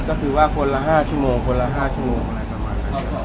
ก็คือว่าคนละ๕ชั่วโมงคนละ๕ชั่วโมงอะไรประมาณนั้น